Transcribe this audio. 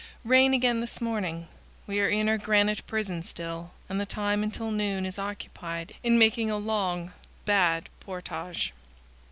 Rain again this morning. We are in our granite prison still, and the time until noon is occupied in making a long; bad portage.